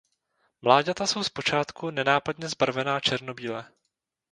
Mláďata jsou zpočátku nenápadně zbarvená černobíle.